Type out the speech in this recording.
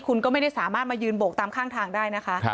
คุณก็ไม่ได้สามารถมายืนโบกตามข้างทางได้นะคะ